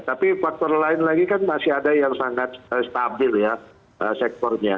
tapi faktor lain lagi kan masih ada yang sangat stabil ya sektornya